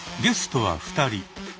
ゲストは２人。